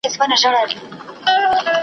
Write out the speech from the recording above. ګیدړ سمدستي پر ښکر د هغه سپور سو .